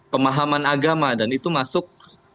pemahaman agama dan itu masuk